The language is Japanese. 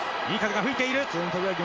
いい風が吹いている！